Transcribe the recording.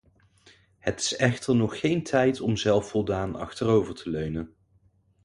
Het is echter nog geen tijd om zelfvoldaan achterover te leunen.